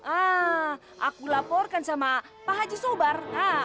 ah aku laporkan sama pak haji sobar